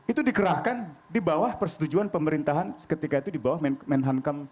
itu dikerahkan di bawah persetujuan pemerintahan ketika itu di bawah menhankam